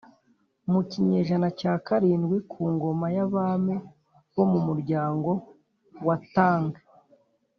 mu kinyejana cya karindwi, ku ngoma y’abami bo mu muryango wa t’ang